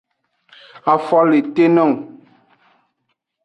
Afo le te nung.